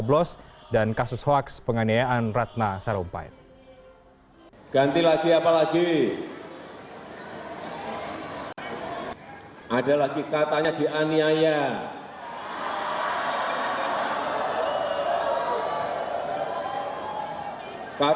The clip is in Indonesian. beliau menyampaikan apa adanya